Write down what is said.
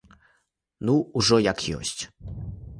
Ну, ужо як ёсць.